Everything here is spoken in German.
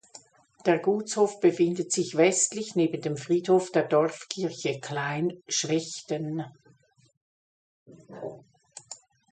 Der Gutshof befindet sich westlich neben dem Friedhof der Dorfkirche Klein Schwechten.